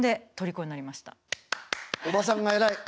おばさんが偉い。